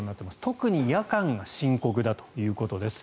特に夜間が深刻だということです。